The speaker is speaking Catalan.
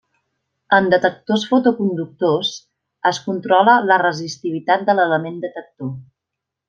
En detectors fotoconductors, es controla la resistivitat de l'element detector.